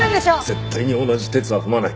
絶対に同じ轍は踏まない。